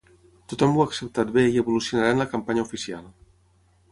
Tothom ho ha acceptat bé i evolucionarà en la campanya oficial.